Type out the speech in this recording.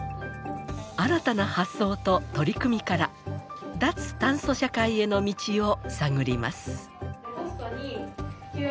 新たな発想と取り組みから脱炭素社会への道を探ります。